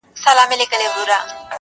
بیا هم ته نه وې لالا -